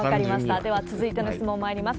では続いての質問にまいります。